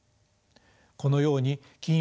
このように金融